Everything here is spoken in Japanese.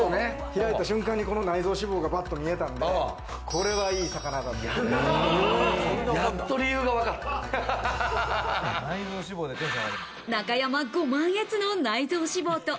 開いた瞬間にこの内臓脂肪がパッと見えたんで、これはいい魚だと。